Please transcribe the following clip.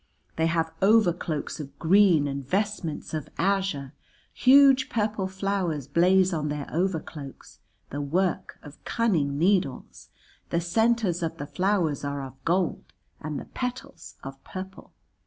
They have overcloaks of green and vestments of azure, huge purple flowers blaze on their overcloaks, the work of cunning needles, the centres of the flowers are of gold and the petals of purple.